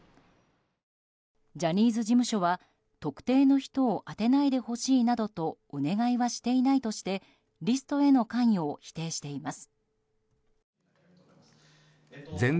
ジャニーズ事務所は特定の人を当てないでほしいなどとお願いはしていないとしてリストへの関与を否定しています。